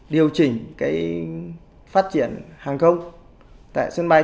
điều chỉnh phát triển hàng không tại sân bay